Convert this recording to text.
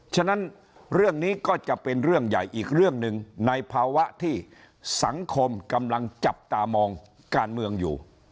ฉะนั้นเรื่องนี้ก็จะเป็นเรื่องใหญ่อีกเรื่องหนึ่งในภาวะที่สังคมกำลังจับตามองการเมืองอยู่